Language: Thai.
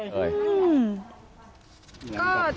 ก็เจิมลาศีด้วยตัวเราเองใช่ไหมคะ